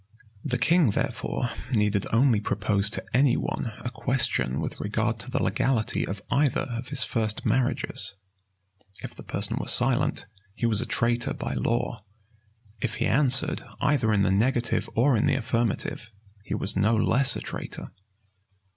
The king, therefore, needed only propose to any one a question with regard to the legality of either of his first marriages: if the person were silent, he was a traitor by law: if he answered either in the negative or in the affirmative, he was no less a traitor.